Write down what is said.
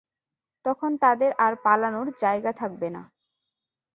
তখন তাদের আর পালানোর জায়গা থাকবে না।